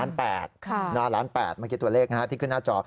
ล้าน๘เมื่อกี้ตัวเลขที่ขึ้นหน้าจอ